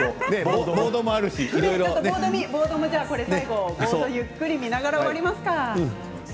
ボードをゆっくり見ながら終わりますか。